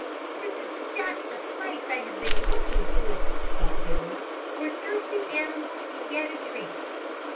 "This is just the place I have been looking for," thought Billy, "where thirsty animals can get a drink."